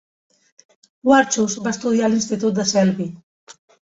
Warchus va estudiar a l'institut de Selby.